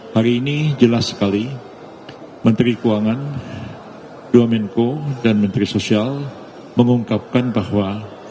hari ini jelas sekali menteri keuangan dua menko dan menteri sosial mengungkapkan bahwa